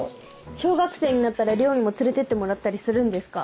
小学生になったら漁にも連れてってもらったりするんですか？